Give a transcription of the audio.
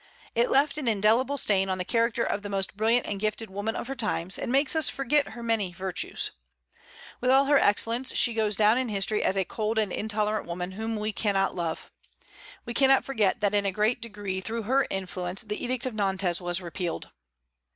It left an indelible stain on the character of the most brilliant and gifted woman of her times, and makes us forget her many virtues. With all her excellences, she goes down in history as a cold and intolerant woman whom we cannot love. We cannot forget that in a great degree through her influence the Edict of Nantes was repealed.